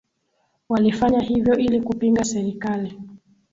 walifanya hivyo ili kupinga serikali